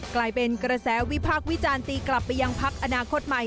กลายเป็นกระแสวิพากษ์วิจารณ์ตีกลับไปยังพักอนาคตใหม่